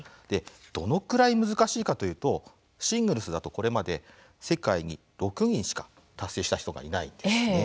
どのくらい難しいかというとシングルスだとこれまで世界に６人しか達成した人がいないんです。